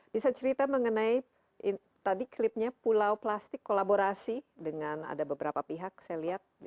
bisa cerita mengenai tadi klipnya pulau plastik kolaborasi dengan ada beberapa pihak saya lihat